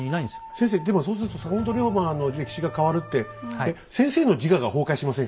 先生でもそうすると坂本龍馬の歴史が変わるって先生の自我が崩壊しませんか？